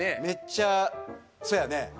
めっちゃそやね